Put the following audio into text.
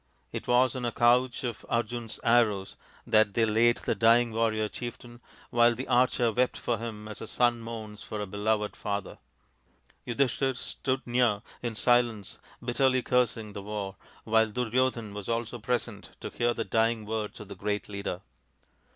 It was on a couch of Arjun's arrows that they laid the dying warrior chieftain, while the archer wept for him as a son mourns for a beloved father. Yudhishthir stood near in silence bitterly cursing the war, while Duryodhan was also present to hear the dying words of the great leader.